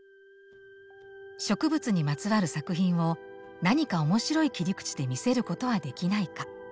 植物にまつわる作品を何か面白い切り口で見せることはできないか。